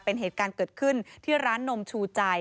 เป็นเหตุการณ์เกิดขึ้นที่ร้านนมชูใจ